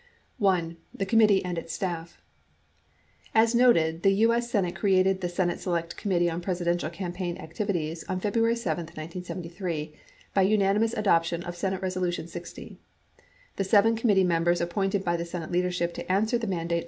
I. THE COMMITTEE AND ITS STAFF As noted, the II.S. Senate created the Senate Select Committee on Presidential Campaign Activities on February 7, 1973, by unanimous adoption of S. Res. 60. The seven committee members appointed by the Senate leadership to answer the mandate of S.